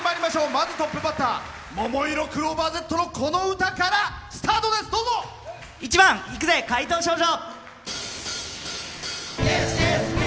まずはトップバッターももいろクローバーＺのこの歌から１番「行くぜっ！怪盗少女」。